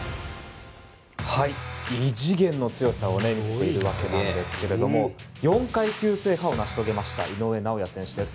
異次元の強さを見せているわけなんですが４階級制覇を成し遂げました井上尚弥選手です。